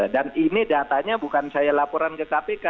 dan ini datanya bukan saya laporan ke kpk